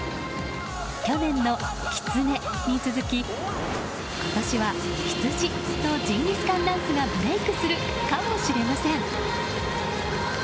去年のキツネに続き今年はヒツジのジンギスカンダンスがブレークするかもしれません。